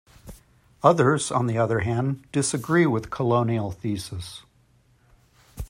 Others, on the other hand, disagree with colonial thesis.